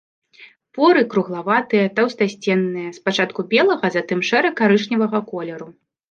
Поры круглаватыя, таўстасценныя, спачатку белага, затым шэра-карычневага колеру.